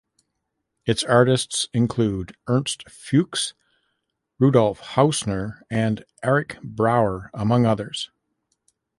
Its artists included Ernst Fuchs, Rudolf Hausner and Arik Brauer among others.